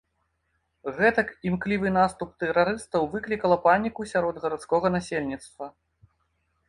Гэтак імклівы наступ тэрарыстаў выклікала паніку сярод гарадскога насельніцтва.